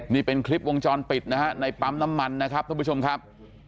นี่เป็นคลิปวงจรปิดนะฮะในปั๊มน้ำมันนะครับท่านผู้ชมครับ